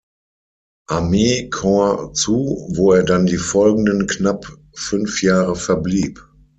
Armee-Korps zu, wo er dann die folgenden knapp fünf Jahre verblieb.